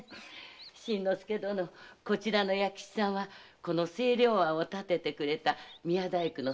新之助殿こちらの弥吉さんはこの清涼庵を建ててくれた宮大工の総兵衛殿のお弟子でしてね。